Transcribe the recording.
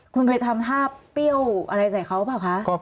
คุณไปทำท่าเปรี้ยวอะไรใส่เขาเปล่าคะ